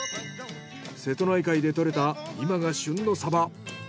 瀬戸内海で獲れた今が旬のサバ。